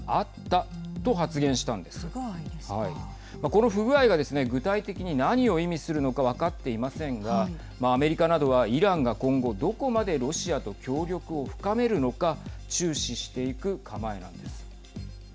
この不具合がですね、具体的に何を意味するのか分かっていませんがアメリカなどは、イランが今後どこまでロシアと協力を深めるのか注視していく構えなんです。